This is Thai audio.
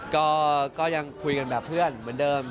ก็ยังคุยกันแบบเพื่อนเหมือนเดิม